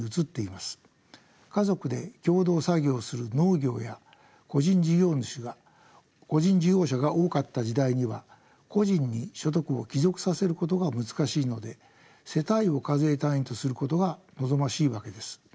家族で共働作業する農業や個人事業者が多かった時代には個人に所得を帰属させることが難しいので世帯を課税単位とすることが望ましいわけです。